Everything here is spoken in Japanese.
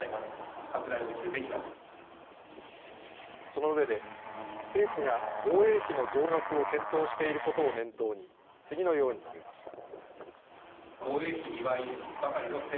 その上で、政府が防衛費の増額を検討していることを念頭に次のように述べました。